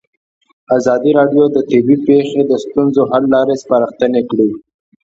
ازادي راډیو د طبیعي پېښې د ستونزو حل لارې سپارښتنې کړي.